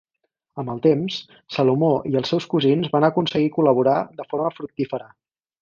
Amb el temps, Salomó i els seus cosins van aconseguir col·laborar de forma fructífera.